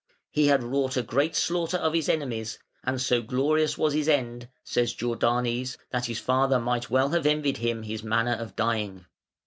"He had wrought a great slaughter of his enemies, and so glorious was his end", says Jordanes, "that his father might well have envied him his manner of dying".